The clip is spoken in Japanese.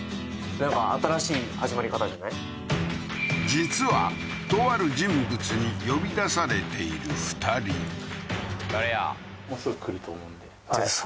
実はとある人物に呼び出されている２人誰や？